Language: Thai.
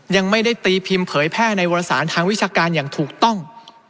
ยังไม่ได้ตีพิมพ์เผยแพร่ในวรสารทางวิชาการอย่างถูกต้อง